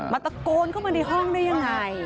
ตะโกนเข้ามาในห้องได้ยังไง